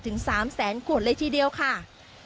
ถึง๓แสนขวดเลยทีเดียวค่ะ